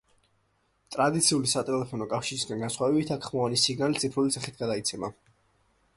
ტრადიციული სატელეფონო კავშირისგან განსხვავებით, აქ ხმოვანი სიგნალი ციფრული სახით გადაიცემა.